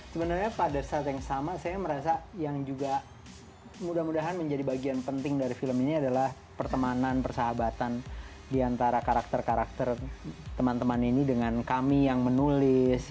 sebenarnya pada saat yang sama saya merasa yang juga mudah mudahan menjadi bagian penting dari film ini adalah pertemanan persahabatan diantara karakter karakter teman teman ini dengan kami yang menulis